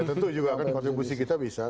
tentu juga akan kontribusi kita bisa